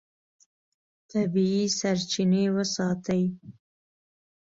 طبیعي سرچینې وساتئ.